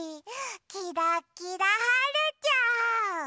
キラキラはるちゃん！